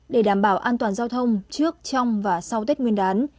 để đảm bảo an toàn giao thông trước trong và sau tết nguyên đán